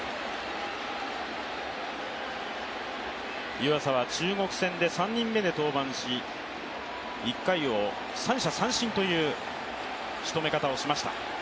湯浅は中国戦で３人目で登板し１回を三者三振というしとめ方をしました。